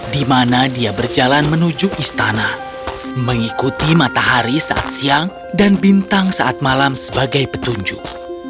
di mana dia berjalan menuju istana mengikuti matahari saat siang dan bintang saat malam sebagai petunjuk